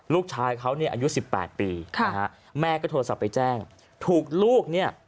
ลูกชายเขาเนี่ยอายุสิบแปดปีนะฮะแม่ก็โทรศัพท์ไปแจ้งถูกลูกเนี่ย